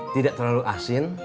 tidak terlalu asin